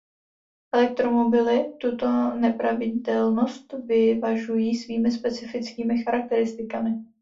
Elektromobily tuto nepravidelnost vyvažují svými specifickými charakteristikami.